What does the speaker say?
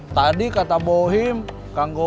shiawani pertama kali menunggu